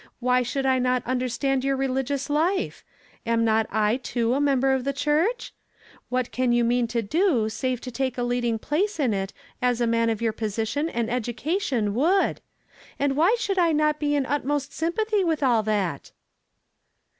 Why should I not undei^tand your religious life? Am not I too a member of the churcii ? What can you mean to do save to take a leading place in it as a man of your position and educatum should? And why should I not be in utmost sympathy with a" that?